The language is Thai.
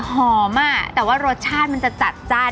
หอมอ่ะแต่ว่ารสชาติมันจะจัดจ้าน